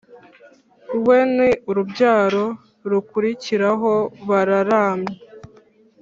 we n urubyaro rukurikiraho bararamye